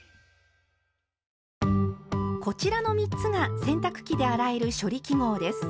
こちらの３つが洗濯機で洗える「処理記号」です。